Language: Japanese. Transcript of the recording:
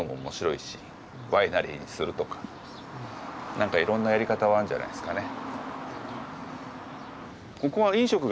何かいろんなやり方はあんじゃないすかね。